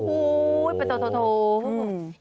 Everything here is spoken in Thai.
โอ้โหโอ้โหโอ้โหโอ้โห